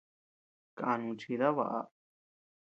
Kanu chida baʼa.